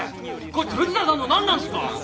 こいつ藤田さんの何なんすか！？